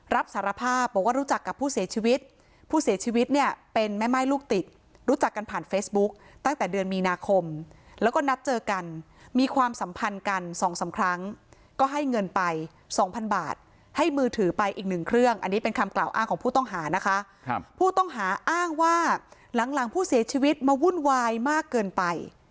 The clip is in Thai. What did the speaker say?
รับสารภาพบอกว่ารู้จักกับผู้เสียชีวิตผู้เสียชีวิตเนี่ยเป็นแม่ม่ายลูกติดรู้จักกันผ่านเฟซบุ๊กตั้งแต่เดือนมีนาคมแล้วก็นัดเจอกันมีความสัมพันธ์กันสองสามครั้งก็ให้เงินไปสองพันบาทให้มือถือไปอีกหนึ่งเครื่องอันนี้เป็นคำกล่าวอ้างของผู้ต้องหานะคะครับผู้ต้องหาอ้างว่าหลังหลังผู้เสียชีวิตมาวุ่นวายมากเกินไป